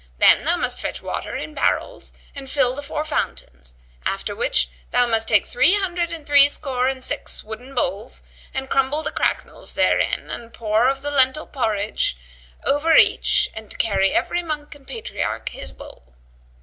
Then must thou fetch water in barrels and fill the four fountains; after which thou must take three hundred and threescore and six wooden bowls and crumble the cracknels therein and pour of the lentil pottage over each and carry every monk and patriarch his bowl."